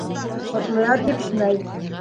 Ҡотлояр бирешмәй: